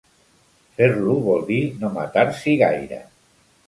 Fer-lo vol dir no matar-s'hi gaire.